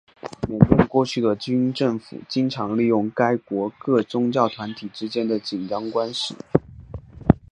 缅甸过去的军政府经常利用该国各宗教团体之间的紧张关系。